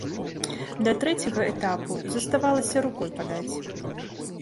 Да трэцяга этапу заставалася рукой падаць.